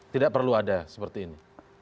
tidak perlu ada seperti ini